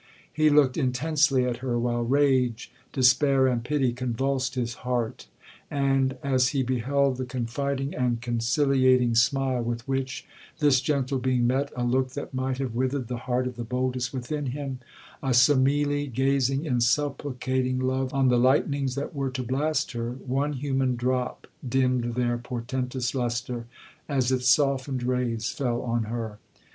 He looked intensely at her, while rage, despair, and pity, convulsed his heart; and as he beheld the confiding and conciliating smile with which this gentle being met a look that might have withered the heart of the boldest within him,—a Semele gazing in supplicating love on the lightnings that were to blast her,—one human drop dimmed their portentous lustre, as its softened rays fell on her.